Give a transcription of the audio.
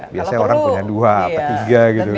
biasanya orang punya dua atau tiga gitu